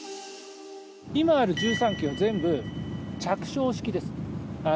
今ある１３基は全部、着床式です。